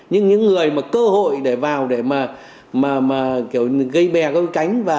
nhưng những người mà cơ hội để vào để mà kiểu gây bè cái cánh